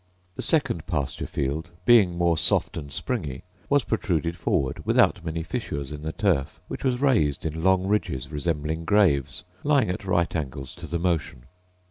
The second pasture field, being more soft and springy, was protruded forward without many fissures in the turf, which was raised in long ridges resembling graves, lying at right angles to the motion.